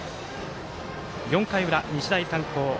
４回裏、日大三高。